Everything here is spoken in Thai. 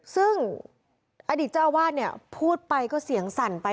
ซึ่งอดีตเจ้าอาวาสเนี่ยพูดไปก็เสียงสั่นไป